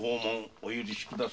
お許しくだされ。